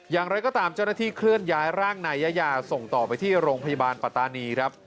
อย่างไรก็ตามเจ้าหน้าที่เคลื่อนย้ายร่างนายยายาส่งต่อไปที่โรงพยาบาลปัตตานีครับ